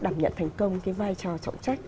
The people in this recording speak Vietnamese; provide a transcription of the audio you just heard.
đảm nhận thành công cái vai trò trọng trách